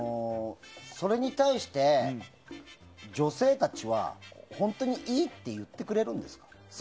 それに対して、女性たちは本当にいいって言ってくれるんですか？